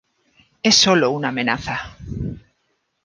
Es sólo una amenaza.